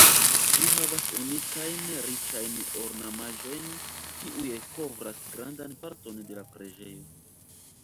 Ĝi havas unikajn riĉajn ornamaĵojn kiuj kovras grandan parton de la preĝejo.